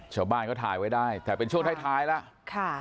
ชาวบ้านเขาถ่ายไว้ได้แต่เป็นช่วงท้ายแล้ว